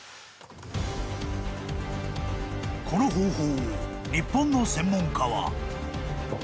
［この方法を日本の専門家は］